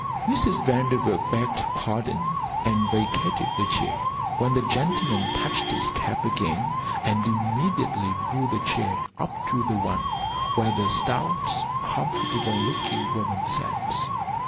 Mrs. Vanderburgh begged pardon and vacated the chair, when the gentleman touched his cap again, and immediately drew the chair up to the one where the stout, comfortable looking woman sat.